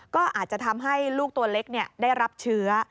ก็อาจจะทำให้ลูกตัวเล็กได้รับเชื้อ